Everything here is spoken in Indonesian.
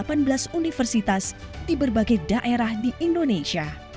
mahfud md mengajar pada delapan belas universitas di berbagai daerah di indonesia